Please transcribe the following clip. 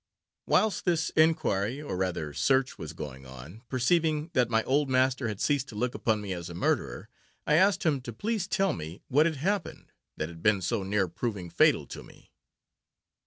Whilst this inquiry, or rather search, was going on, perceiving that my old master had ceased to look upon me as a murderer, I asked him to please to tell me what had happened, that had been so near proving fatal to me.